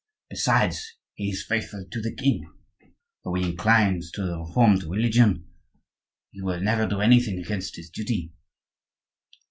Besides, he is faithful to the king. Though he inclines to the Reformed religion, he will never do anything against his duty."